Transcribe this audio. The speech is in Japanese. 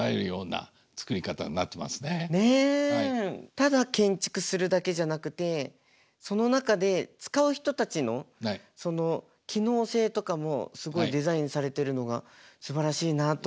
ただ建築するだけじゃなくてその中で使う人たちのその機能性とかもすごいデザインされてるのがすばらしいなと思いました。